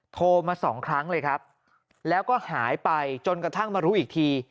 โทรมาสองครั้งเลยครับแล้วก็หายไปจนกระทั่งมารู้อีกที